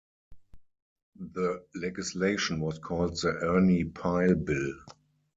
The legislation was called The Ernie Pyle bill.